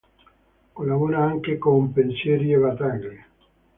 Collabora anche con "Pensieri e battaglie".